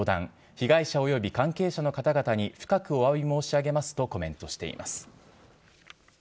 被害者および関係者の方々に深くおわび申し上げますとコメントしています。